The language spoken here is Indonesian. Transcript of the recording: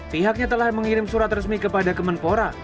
pihaknya telah mengirim surat resmi kepada kemenpora